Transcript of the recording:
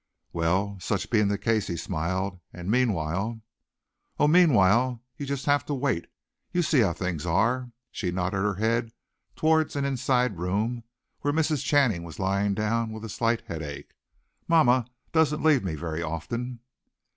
"Well such being the case!" he smiled, "and meanwhile " "Oh, meanwhile you just have to wait. You see how things are." She nodded her head towards an inside room where Mrs. Channing was lying down with a slight headache. "Mamma doesn't leave me very often."